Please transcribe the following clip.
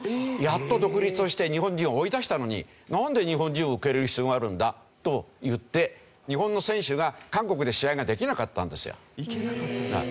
やっと独立をして日本人を追い出したのになんで日本人を受け入れる必要があるんだ？といって日本の選手が韓国で試合ができなかったんですよ。